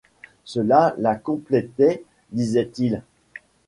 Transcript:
Cela la complétait, disait-il.